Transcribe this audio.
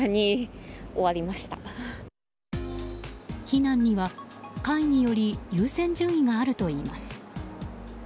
避難には、階により優先順位があるといいます。